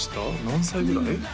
何歳ぐらい？